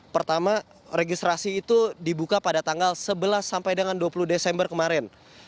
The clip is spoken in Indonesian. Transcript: pertama registrasi itu dibuka pada tanggal sebelas sampai dengan dua puluh desember kemarin